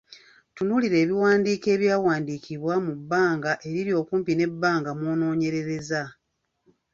Tunuulira ebiwandiiko ebyakawandiikibwa mu bbanga eriri okumpi n’ebbanga mw’onoonyerereza.